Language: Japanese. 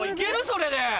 それで。